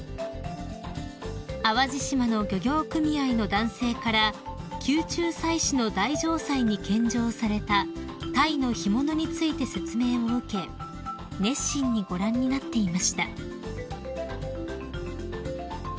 ［淡路島の漁業組合の男性から宮中祭祀の大嘗祭に献上されたタイの干物について説明を受け熱心にご覧になっていました］